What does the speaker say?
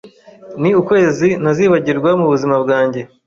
ni ukwezi ntazibagirwa mu buzima bwanjye